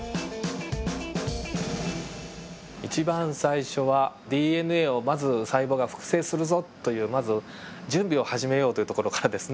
一番最初はＤＮＡをまず細胞が複製するぞというまず準備を始めようというところからですね